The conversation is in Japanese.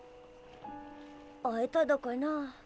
会えただかな？